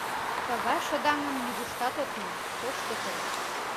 Тыгай шыдаҥым нигуштат от му, тошто сорт.